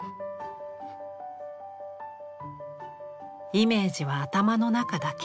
イメージは頭の中だけ。